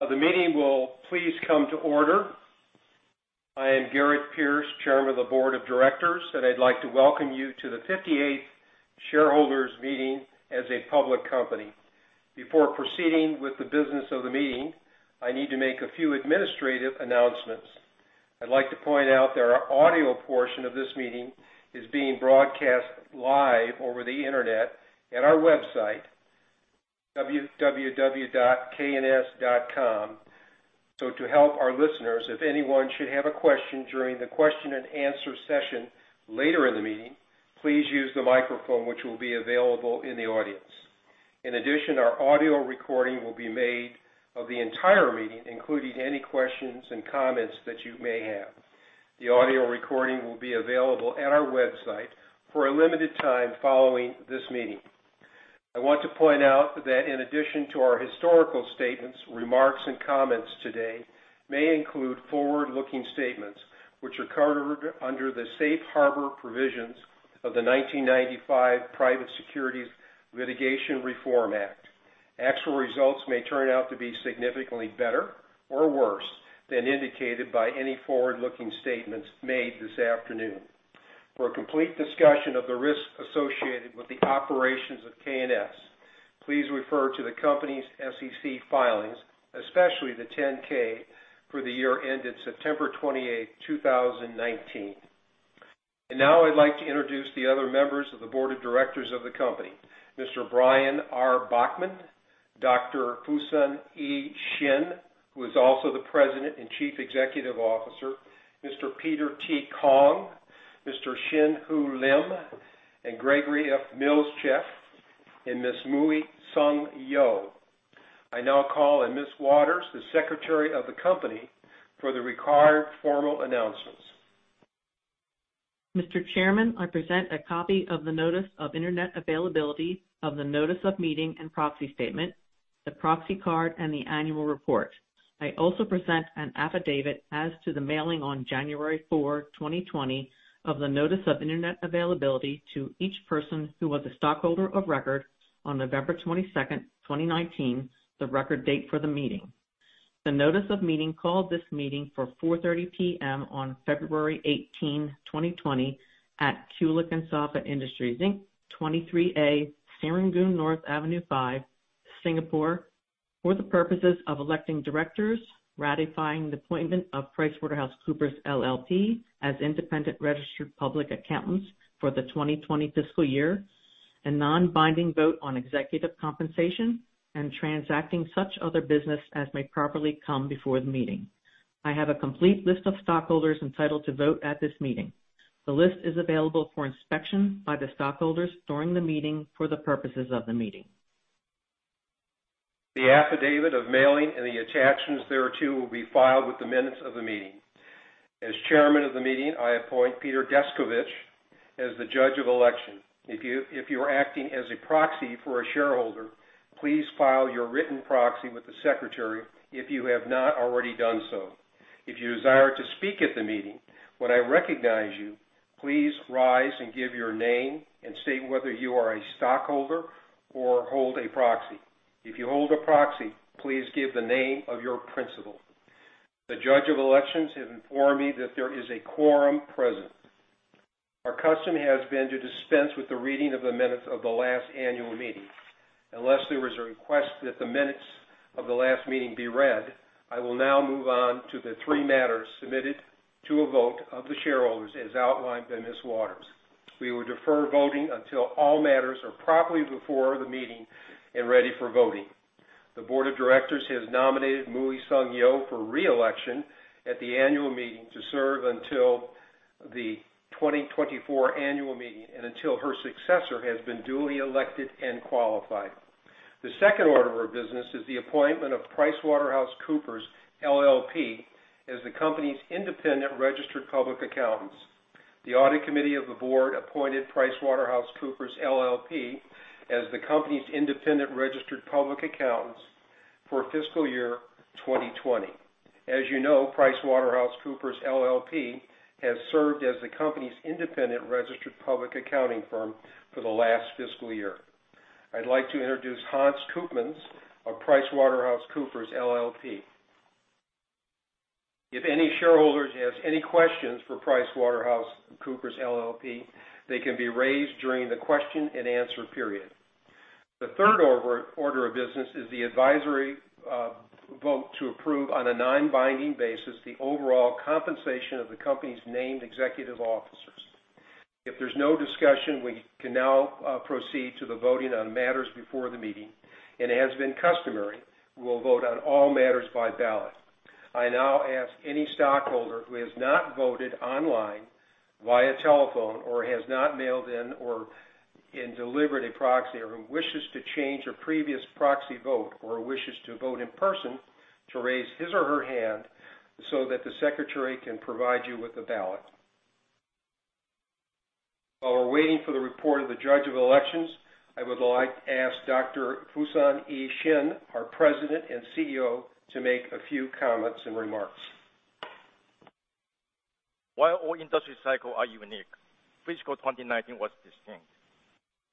The meeting will please come to order. I am Garrett Pierce, Chairman of the Board of Directors, and I'd like to Welcome you to the 58th shareholders meeting as a public company. Before proceeding with the business of the meeting, I need to make a few administrative announcements. I'd like to point out that our audio portion of this meeting is being broadcast live over the internet at our website, www.kns.com. To help our listeners, if anyone should have a question during the question and answer session later in the meeting, please use the microphone which will be available in the audience. In addition, our audio recording will be made of the entire meeting, including any questions and comments that you may have. The audio recording will be available at our website for a limited time following this meeting. I want to point out that in addition to our historical statements, remarks, and comments today may include forward-looking statements which are covered under the safe harbor provisions of the 1995 Private Securities Litigation Reform Act. Actual results may turn out to be significantly better or worse than indicated by any forward-looking statements made this afternoon. For a complete discussion of the risks associated with the operations of KNS, please refer to the company's SEC filings, especially the 10-K for the year ended September 28, 2019. Now I'd like to introduce the other members of the board of directors of the company. Mr. Brian R. Bachman, Dr. Fusen Chen, who is also the President and Chief Executive Officer, Mr. Peter T. Kong, Mr. Chin Hu Lim, and Gregory F. Milzcik, and Ms. Mui Sung Yeo. I now call on Ms. Waters, the Secretary of the company, for the required formal announcements. Mr. Chairman, I present a copy of the notice of internet availability of the notice of meeting and proxy statement, the proxy card, and the annual report. I also present an affidavit as to the mailing on January 4, 2020, of the notice of internet availability to each person who was a stockholder of record on November 22, 2019, the record date for the meeting. The notice of meeting called this meeting for 4:30 P.M. on February 18, 2020, at Kulicke and Soffa Industries, Inc., 23A Serangoon North Avenue 5, Singapore, for the purposes of electing directors, ratifying the appointment of PricewaterhouseCoopers LLP as independent registered public accountants for the 2020 fiscal year, a non-binding vote on executive compensation, and transacting such other business as may properly come before the meeting. I have a complete list of stockholders entitled to vote at this meeting. The list is available for inspection by the stockholders during the meeting for the purposes of the meeting. The affidavit of mailing and the attachments thereto will be filed with the minutes of the meeting. As chairman of the meeting, I appoint Peter Deskovic as the judge of election. If you are acting as a proxy for a shareholder, please file your written proxy with the secretary if you have not already done so. If you desire to speak at the meeting, when I recognize you, please rise and give your name and state whether you are a stockholder or hold a proxy. If you hold a proxy, please give the name of your principal. The judge of elections has informed me that there is a quorum present. Our custom has been to dispense with the reading of the minutes of the last annual meeting. Unless there is a request that the minutes of the last meeting be read, I will now move on to the three matters submitted to a vote of the shareholders as outlined by Ms. Waters. We will defer voting until all matters are properly before the meeting and ready for voting. The board of directors has nominated Mui Sung Yeo for re-election at the annual meeting to serve until the 2024 annual meeting, and until her successor has been duly elected and qualified. The second order of business is the appointment of PricewaterhouseCoopers LLP as the company's independent registered public accountants. The audit committee of the board appointed PricewaterhouseCoopers LLP as the company's independent registered public accountants for fiscal year 2020. As you know, PricewaterhouseCoopers LLP has served as the company's independent registered public accounting firm for the last fiscal year. I'd like to introduce Hans Koopmans of PricewaterhouseCoopers LLP. If any shareholder has any questions for PricewaterhouseCoopers LLP, they can be raised during the question and answer period. The third order of business is the advisory vote to approve, on a non-binding basis, the overall compensation of the company's named executive officers. If there's no discussion, we can now proceed to the voting on matters before the meeting. As has been customary, we will vote on all matters by ballot. I now ask any stockholder who has not voted online, via telephone, or has not mailed in or delivered a proxy, or who wishes to change a previous proxy vote, or wishes to vote in person, to raise his or her hand so that the Secretary can provide you with a ballot. While we're waiting for the report of the Judge of Election, I would like to ask Dr. Fusen. Fusen Chen, our President and CEO, to make a few comments and remarks. While all industry cycles are unique, fiscal 2019 was distinct.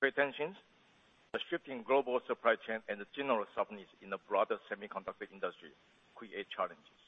Great tensions, the shifting global supply chain, and the general softness in the broader semiconductor industry create challenges.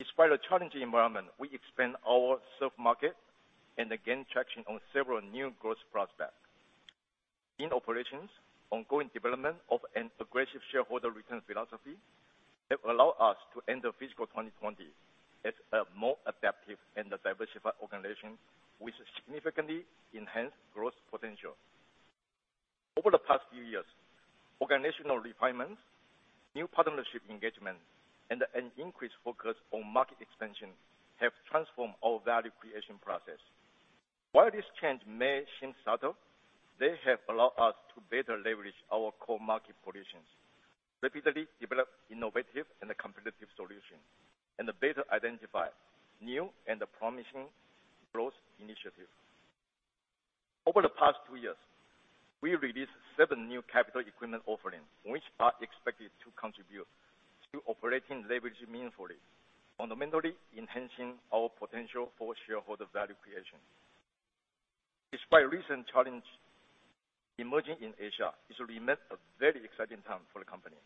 Despite a challenging environment, we expand our serve market and gain traction on several new growth prospects. In operations, ongoing development of an aggressive shareholder return philosophy have allowed us to end the fiscal 2020 as a more adaptive and a diversified organization with significantly enhanced growth potential. Over the past few years, organizational refinements, new partnership engagement, and an increased focus on market expansion have transformed our value creation process. While this change may seem subtle, they have allowed us to better leverage our core market positions, rapidly develop innovative and competitive solutions, and better identify new and promising growth initiatives. Over the past two years, we released seven new capital equipment offerings, which are expected to contribute to operating leverage meaningfully, fundamentally enhancing our potential for shareholder value creation. Despite recent challenge emerging in Asia, it remains a very exciting time for the company.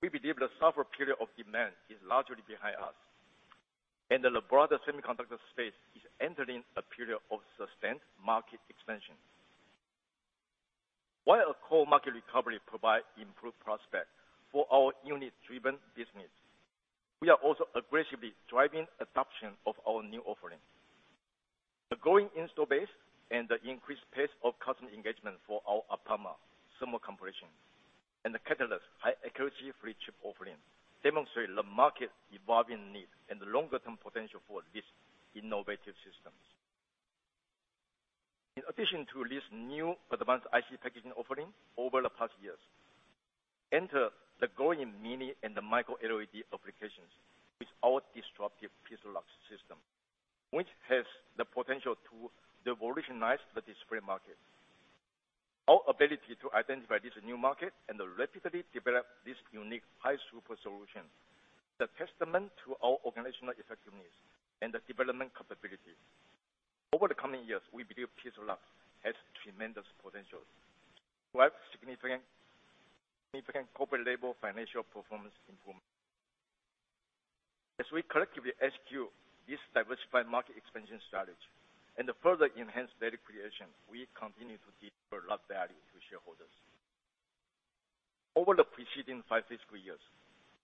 We believe the tougher period of demand is largely behind us, and the broader semiconductor space is entering a period of sustained market expansion. While a core market recovery provides improved prospects for our unit-driven business, we are also aggressively driving adoption of our new offerings. The growing install base and the increased pace of customer engagement for our Palma thermal compression and the Katalyst high accuracy flip chip offering demonstrate the market evolving need and the longer-term potential for these innovative systems. In addition to these new advanced IC packaging offerings over the past years, enter the growing mini and micro LED applications with our disruptive PIXALUX system, which has the potential to revolutionize the display market. Our ability to identify this new market and rapidly develop this unique high-accuracy solution is a testament to our organizational effectiveness and development capabilities. Over the coming years, we believe PIXALUX has tremendous potential for significant corporate-level financial performance improvement. As we collectively execute this diversified market expansion strategy and further enhance value creation, we continue to deliver a lot of value to shareholders. Over the preceding five fiscal years,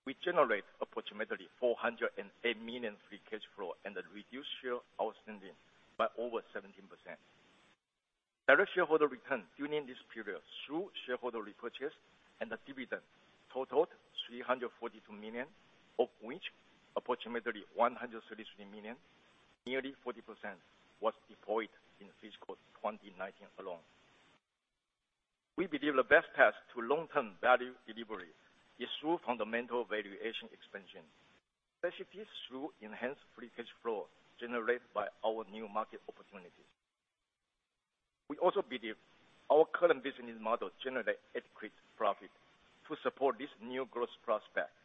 we generate approximately $408 million free cash flow and reduce share outstanding by over 17%. Total shareholder returns during this period through shareholder repurchases and dividends totaled $342 million, of which approximately $133 million, nearly 40%, was deployed in fiscal 2019 alone. We believe the best path to long-term value delivery is through fundamental valuation expansion, especially through enhanced free cash flow generated by our new market opportunities. We also believe our current business model generates adequate profit to support these new growth prospects,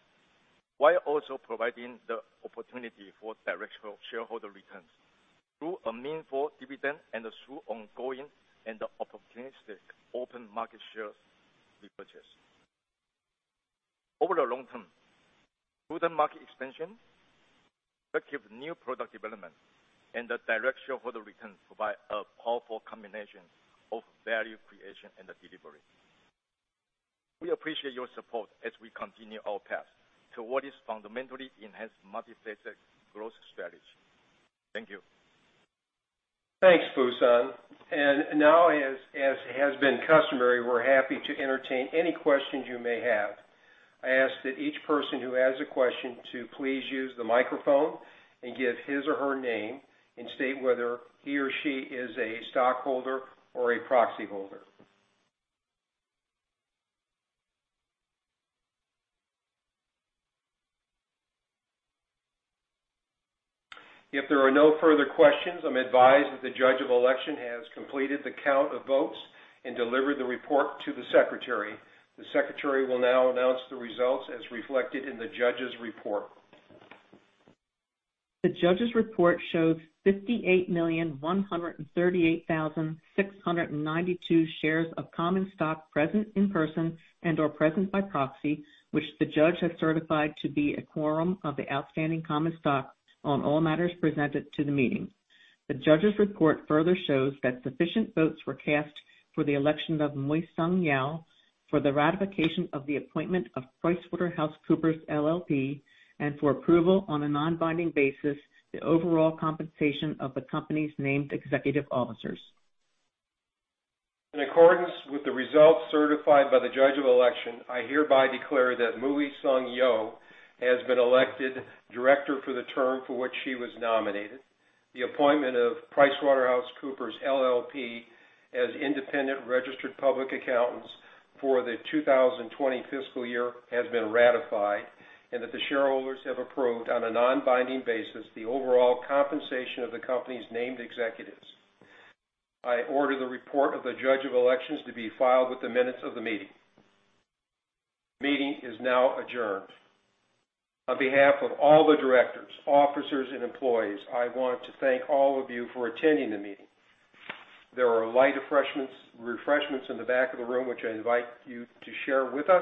while also providing the opportunity for direct shareholder returns through a meaningful dividend and through ongoing and opportunistic open market share repurchases. Over the long term, through the market expansion, executive new product development, and the direct shareholder returns provide a powerful combination of value creation and delivery. We appreciate your support as we continue our path toward this fundamentally enhanced multifaceted growth strategy. Thank you. Thanks, Fusen Chen. Now, as has been customary, we're happy to entertain any questions you may have. I ask that each person who has a question to please use the microphone and give his or her name, and state whether he or she is a stockholder or a proxy holder. If there are no further questions, I'm advised that the Judge of Election has completed the count of votes and delivered the report to the Secretary. The Secretary will now announce the results as reflected in the Judge's report. The Judge's report shows 58,138,692 shares of common stock present in person and/or present by proxy, which the Judge has certified to be a quorum of the outstanding common stock on all matters presented to the meeting. The Judge's report further shows that sufficient votes were cast for the election of Mui Sung Yeo, for the ratification of the appointment of PricewaterhouseCoopers LLP, and for approval, on a non-binding basis, the overall compensation of the company's named executive officers. In accordance with the results certified by the Judge of Election, I hereby declare that Mui Sung Yeo has been elected Director for the term for which she was nominated. The appointment of PricewaterhouseCoopers LLP as independent registered public accountants for the 2020 fiscal year has been ratified. That the shareholders have approved, on a non-binding basis, the overall compensation of the company's named executives. I order the report of the Judge of Election to be filed with the minutes of the meeting. Meeting is now adjourned. On behalf of all the directors, officers, and employees, I want to thank all of you for attending the meeting. There are light refreshments in the back of the room, which I invite you to share with us.